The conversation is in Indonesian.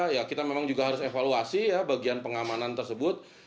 ya kita memang juga harus evaluasi ya bagian pengamanan tersebut